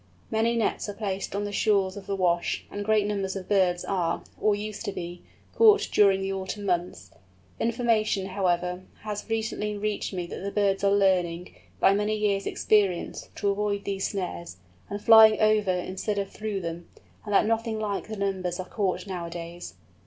Many nets are placed on the shores of the Wash, and great numbers of birds are, or used to be, caught during the autumn months. Information, however, has recently reached me that the birds are learning, by many years' experience, to avoid these snares, flying over instead of through them, and that nothing like the numbers are caught nowadays.